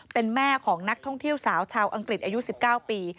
เป็นแม่ของนักท่องเที่ยวสาวชาวอังกฤษอายุ๑๙ปี